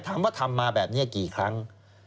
ทำมาแบบนี้กี่ครั้ง